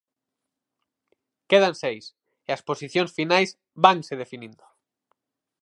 Quedan seis, e as posicións finais vanse definindo.